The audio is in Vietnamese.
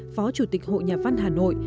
phó chủ tịch hội nhà văn hà nội